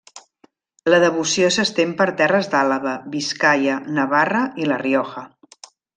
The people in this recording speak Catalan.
La devoció s'estén per terres d'Àlaba, Biscaia, Navarra i La Rioja.